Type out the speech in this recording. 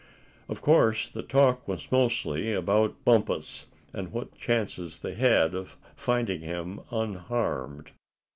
Of course the talk was mostly about Bumpus, and what chances they had of finding him unharmed.